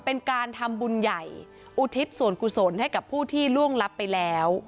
เป็นการทำบุญใหญ่อุทิศส่วนกุศลให้กับผู้ที่ล่วงลับไปแล้ว